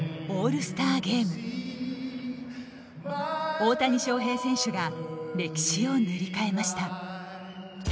大谷翔平選手が歴史を塗り替えました。